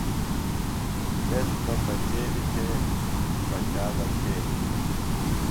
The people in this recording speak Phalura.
تس بہ پچیلیۡ تھےۡ، پچا بہ کھیلیۡ تھےۡ